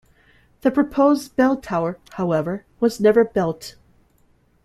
The proposed bell tower, however, was never built.